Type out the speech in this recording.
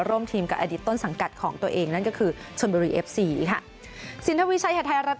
ร่วมทีมกับอดีตต้นสังกัดของตัวเองนั่นก็คือชนบุรีเอฟซีค่ะ